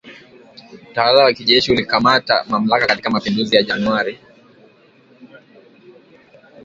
Utawala wa kijeshi ulikamata mamlaka katika mapinduzi ya Januari